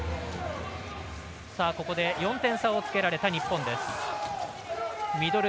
ここで４点差をつけられた日本。